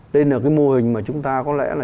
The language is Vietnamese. đây là cái mô hình mà chúng ta có lẽ là